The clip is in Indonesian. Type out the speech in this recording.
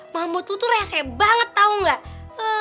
mahmud lu tuh rese banget tau gak